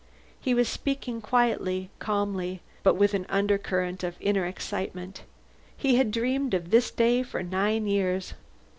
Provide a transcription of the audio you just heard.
He was speaking quietly, calmly, but with an undercurrent of inner excitement. He had dreamed of this day for nine years.